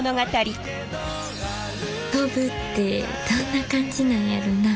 飛ぶってどんな感じなんやろうな。